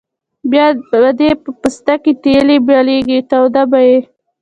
بیا به دې په پوستکي تیلی بلېږي توده به یې.